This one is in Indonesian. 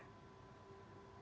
terima kasih banyak